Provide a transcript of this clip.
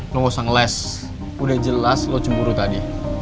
lo gak usah ngeles udah jelas lo cemburu tadi